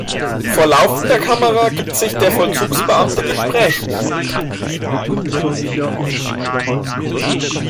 Vor laufender Kamera gibt sich der Vollzugsbeamte gesprächig.